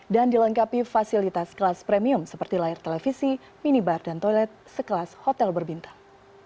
dan dilengkapi fasilitas kelas premium seperti layar televisi minibar dan toilet sekelas hotel berbintang